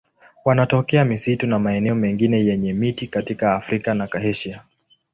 Wanatokea misitu na maeneo mengine yenye miti katika Afrika na Asia.